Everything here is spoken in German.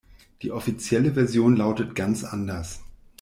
Die offizielle Version lautet ganz anders.